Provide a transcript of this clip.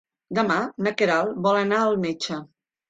Demà na Queralt vol anar al metge.